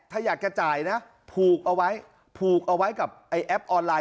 ถ้าอยากจะจ่ายนะผูกเอาไว้ผูกเอาไว้กับไอ้แอปออนไลน